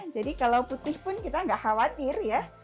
jadi kalau putih pun kita nggak khawatir ya